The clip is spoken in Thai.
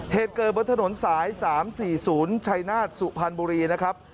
เหตุเกิดบนถนนสาย๓๔๐ชัยนาฏสุพรรณบุรีนะครับ